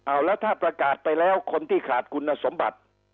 เอาแล้วถ้าประกาศไปแล้วคนที่ขาดคุณสมบัติ